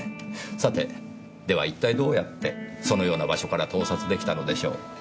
さてでは一体どうやってそのような場所から盗撮できたのでしょう？